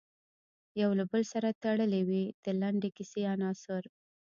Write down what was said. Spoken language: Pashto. یو له بل سره تړلې وي د لنډې کیسې عناصر.